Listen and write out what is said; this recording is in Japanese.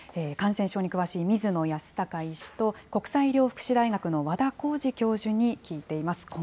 感染症に詳しい、水野泰孝医師と、国際医療福祉大学の和田耕治教授に聞いています。